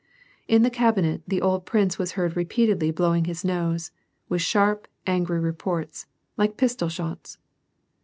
In the cabinet the old prince was heard repeatedly blowing his nose, with sharp, angry reports, like pistol shots.